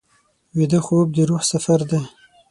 ویده خوب د روح سفر دی